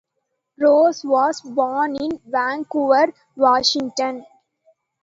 Rose was born in Vancouver, Washington.